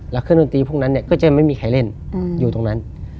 แล้วเครื่องดนตรีพวกนั้นก็จะไม่มีใครเล่นอยู่ตรงนั้น